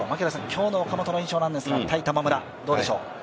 今日の岡本の印象ですが、対玉村、どうでしょう？